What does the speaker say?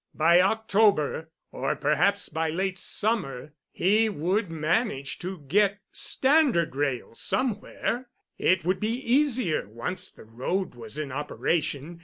By October, or perhaps by late summer, he would manage to get standard rails somewhere. It would be easier once the road was in operation.